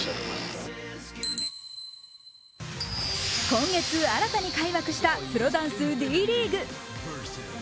今月新たに開幕したプロダンスＤ．ＬＥＡＧＵＥ。